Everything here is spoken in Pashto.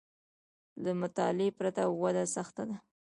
له مطالعې پرته وده سخته ده